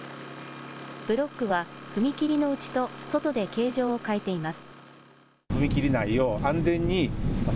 ブロックは踏切の内と外で形状を変えています。